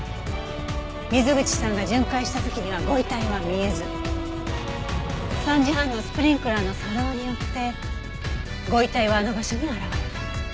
水口さんが巡回した時にはご遺体は見えず３時半のスプリンクラーの作動によってご遺体はあの場所に現れた。